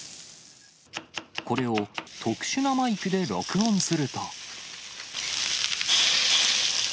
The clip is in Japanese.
これを特殊なマイクで録音すると。